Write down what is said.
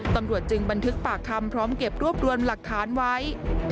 ตำรวจจึงบันทึกปากคำพร้อมเก็บรวบรวมหลักฐานไว้